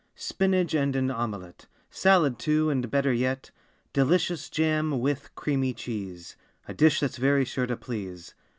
Spinach and an omelette, Salad, too, and better yet Delicious jam with creamy cheese— A dish that's very sure to please!